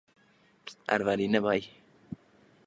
Hank, সুমোকে মুক্ত করার দরকার নেই।